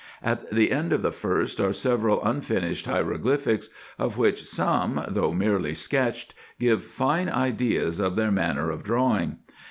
At the end of the first are several unfinished hieroglyphics, of which some, though merely sketched, give fine ideas of their manner of drawing.